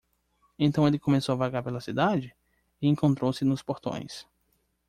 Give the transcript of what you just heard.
Então ele começou a vagar pela cidade? e encontrou-se nos portões.